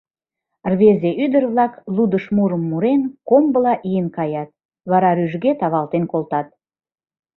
Рвезе, ӱдыр-влак, лудыш мурым мурен, комбыла ийын каят, вара рӱжге тавалтен колтат.